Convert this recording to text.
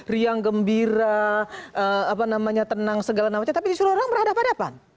riang gembira tenang segala macam tapi disuruh orang berhadapan hadapan